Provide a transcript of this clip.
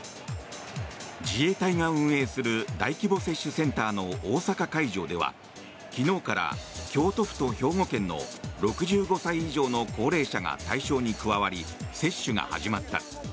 自衛隊が運営する大規模接種センターの大阪会場では昨日から京都府と兵庫県の６５歳以上の高齢者が対象に加わり接種が始まった。